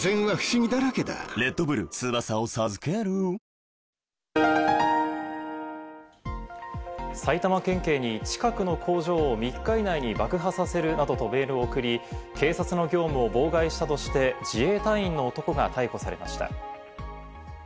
トーンアップ出た埼玉県警に近くの工場を３日以内に爆破させるなどとメールを送り、警察の業務を妨害したとして、自衛隊員の男が逮捕されました。